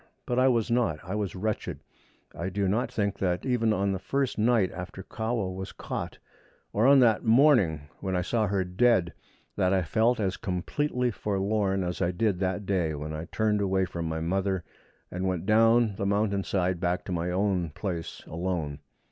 But I was not; I was wretched. I do not think that even on the first night after Kahwa was caught, or on that morning when I saw her dead, that I felt as completely forlorn as I did that day when I turned away from my mother, and went down the mountain side back to my own place alone.